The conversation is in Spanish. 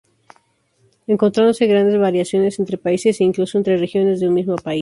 Encontrándose grandes variaciones entre países e incluso entre regiones de un mismo país.